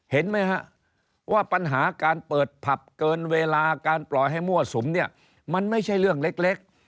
เห็นไหมฮะว่าปัญหาการเปิดผับเกินเวลาการปล่อยให้มั่วสุมเนี่ยมันไม่ใช่เรื่องเล็ก